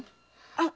あっ！